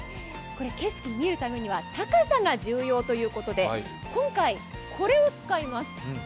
景色見るためには高さが重要ということで今回、これを使います。